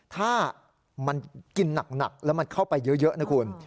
ถ้ามันกินหนักแล้วมันเข้าไปเยอะนะคุณ